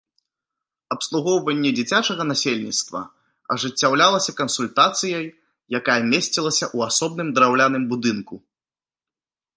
Абслугоўванне дзіцячага насельніцтва ажыццяўлялася кансультацыяй, якая месцілася ў асобным драўляным будынку.